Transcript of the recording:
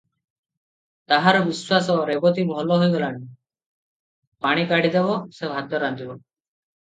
ତାହାର ବିଶ୍ୱାସ, ରେବତୀ ଭଲ ହୋଇଗଲାଣି, ପାଣି କାଢ଼ି ଦେବ, ସେ ଭାତ ରାନ୍ଧିବ ।